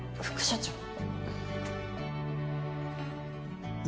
副社長